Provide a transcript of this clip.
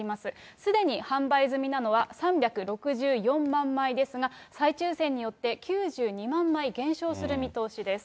すでに販売済みなのは３６４万枚ですが、再抽せんによって９２万枚減少する見通しです。